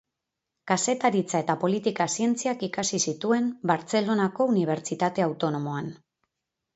Kazetaritza eta Politika Zientziak ikasi zituen Bartzelonako Unibertsitate Autonomoan.